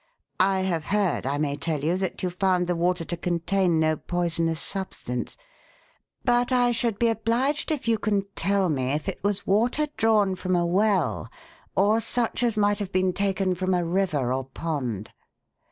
I have heard, I may tell you, that you found the water to contain no poisonous substance; but I should be obliged if you can tell me if it was water drawn from a well or such as might have been taken from a river or pond."